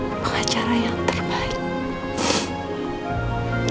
pengacara yang terbaik